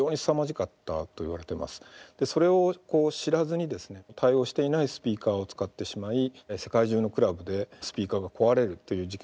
それを知らずにですね対応していないスピーカーを使ってしまい世界中のクラブでスピーカーが壊れるという事件が多発したと。